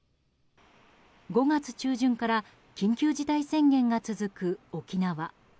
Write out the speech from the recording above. ５月中旬から緊急事態宣言が続く沖縄。